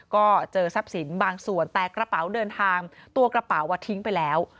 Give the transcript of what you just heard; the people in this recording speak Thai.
ก็เจอทรัพย์สินบางส่วนแต่กระเป๋าเดินทางตัวกระเป๋าทิ้งไปแล้ว